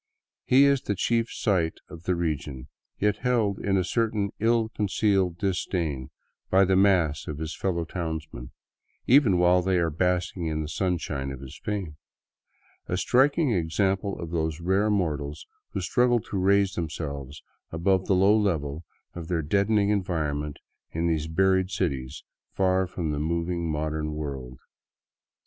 He is the chief " sight " of the region, yet held in a certain ill concealed disdain by the mass of his fellow townsmen, even while they are basking in the sunshine of his fame; a striking example of those rare mortals who struggle to raise themselves above the low level of their deadening environment in these buried cities far from the moving modern world.